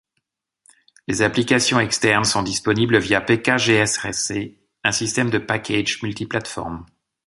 Les applications externes sont disponibles via pkgsrc, un système de packages multiplateformes.